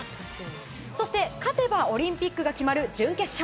そして、勝てばオリンピックが決まる準決勝。